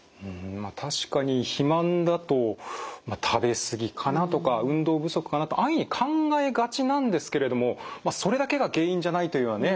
確かに肥満だと食べ過ぎかなとか運動不足かなと安易に考えがちなんですけれどもそれだけが原因じゃないというのはね